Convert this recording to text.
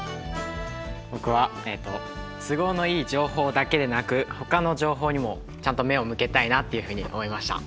僕はえっと都合のいい情報だけでなく他の情報にもちゃんと目を向けたいなっていうふうに思いました。